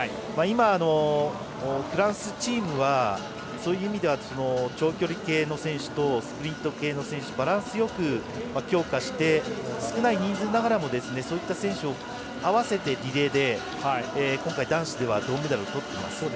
今、フランスチームはそういう意味では長距離系の選手とスプリント系の選手をバランスよく強化して少ない選手ながらもそういった選手を合わせてリレーで今回、男子では銅メダルをとってます。